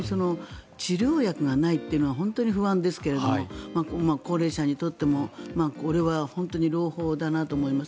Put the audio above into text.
治療薬がないというのは本当に不安ですけども高齢者にとっても、これは本当に朗報だなと思います。